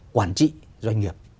quản trị doanh nghiệp